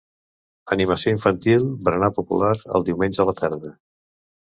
Animació infantil, berenar popular, el diumenge a la tarda.